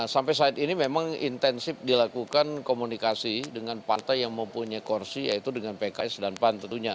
sampai saat ini memang intensif dilakukan komunikasi dengan partai yang mempunyai kursi yaitu dengan pks dan pan tentunya